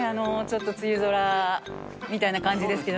ちょっと梅雨空みたいな感じですけどね。